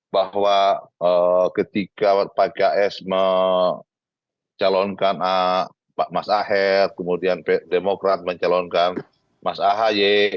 bahwa ketika pks mencalonkan mas aher kemudian demokrat mencalonkan mas ahy